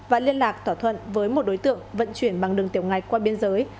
và liên lạc tỏa thuận với một đối tượng vận chuyển bằng đường tiểu ngạch qua biên giới